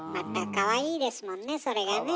かわいいですもんねそれがね。